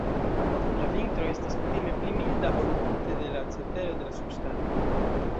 La vintro estas kutime pli milda ol multe de la cetero de la subŝtato.